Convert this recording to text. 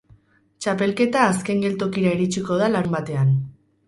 Txapelketa azken geltokira iritsiko da larunbatean.